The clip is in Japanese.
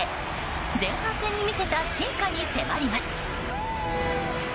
前半戦に見せた進化に迫ります。